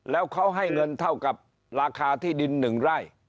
แล้วเขาให้เงินเท่ากับราคาที่ดิน๑ไร่